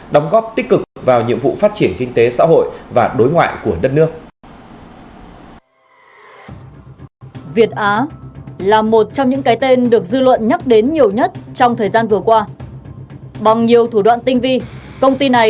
đóng góp tích cực vào nhiệm vụ phát triển kinh tế xã hội và đối ngoại của đất nước